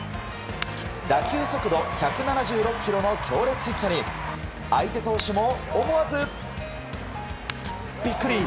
打球速度１７６キロの強烈ヒットに相手投手も思わずビックリ！